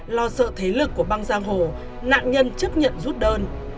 lo sợ thế lực của băng giang hồ nạn nhân chấp nhận rút đơn